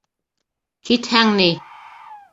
Китһәң ни?..